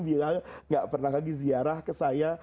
bilal nggak pernah lagi ziarah ke saya